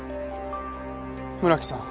村木さん。